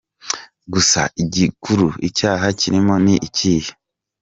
Gusa igikuru, icyaha kilimo ni ikihe?